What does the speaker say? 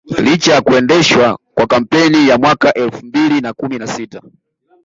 Licha ya kuendeshwa kwa kampeni ya mwaka elfu mbili na kumi na sita